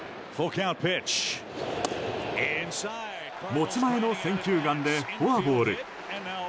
持ち前の選球眼でフォアボール。